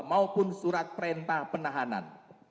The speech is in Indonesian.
maupun surat perintah penahanan